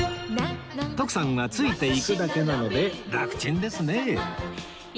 徳さんはついていくだけなのでラクチンですね！